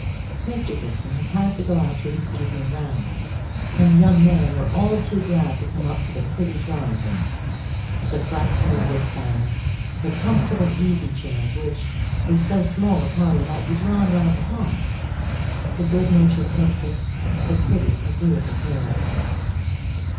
Mr. Gibson had had to go out to his evening round; and the young men were all too glad to come up into the pretty drawing room; the bright little wood fire; the comfortable easy chairs which, with so small a party, might be drawn round the hearth; the good natured hostess; the pretty, agreeable girls.